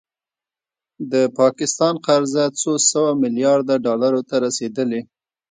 د پاکستان قرضه څو سوه میلیارده ډالرو ته رسیدلې